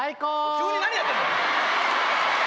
急に何やってんだ？